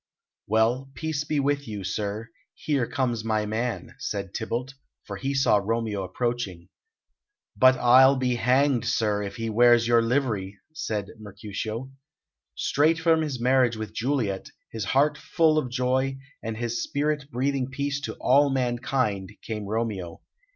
"Well, peace be with you, sir; here comes my man," said Tybalt, for he saw Romeo approaching. "But I'll be hanged, sir, if he wears your livery!" said Mercutio. Straight from his marriage with Juliet, his heart full of joy, and his spirit breathing peace to all mankind, came Romeo.